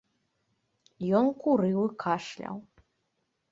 Ён курыў і кашляў.